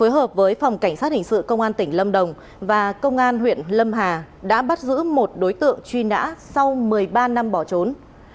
hợp với phòng cảnh sát hình sự công an tỉnh lâm đồng và công an huyện lâm hà đã bắt giữ một đối tượng truy nã sau một mươi ba năm bỏ trốn